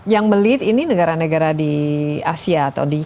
yang melit ini negara negara di asia atau di inggris